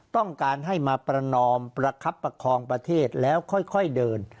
ต้องการให้มาประนอมประคับประคองประเทศแล้วค่อยเดิน